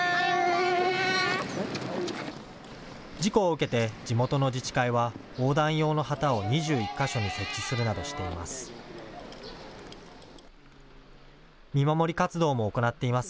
事故を受けて地元の自治会は横断用の旗を２１か所に設置するなどしています。